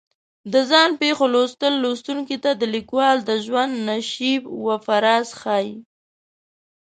د ځان پېښو لوستل لوستونکي ته د لیکوال د ژوند نشیب و فراز ښیي.